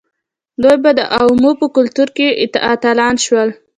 دوی د عوامو په کلتور کې اتلان شول.